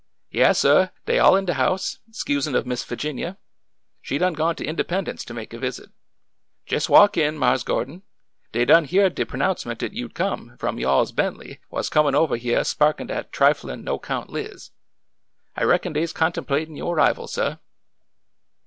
" Yaas, suh. Dey all in de house,— 'sensin' of Miss Figinia. She done gone to Independence to make a visit. Jes' walk in, Marse Gordon. Dey done hyeard de pro nouncement dat you 'd come, f'om yo' all's Bentley, wha' 's cornin' over hyeah sparkin' dat triflin', no 'count Liz. I reckon dey 's contemplatin' yo' arrival, suh."